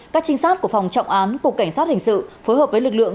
các trinh sát của phòng trọng án cục cảnh sát hình sự phối hợp với lực lượng